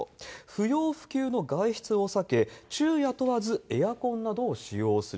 不要不急の外出を避け、昼夜問わずエアコンなどを使用する。